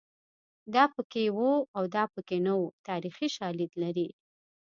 دا پکې وو او دا پکې نه وو تاریخي شالید لري